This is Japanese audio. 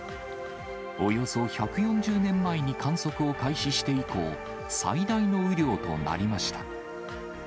およそ１４０年前に観測を開始して以降、最大の雨量となりました。